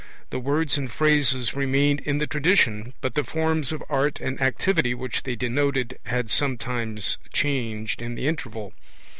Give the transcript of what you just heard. The words and phrases remained in the tradition, but the forms of art and activity which they denoted had sometimes changed in the interval.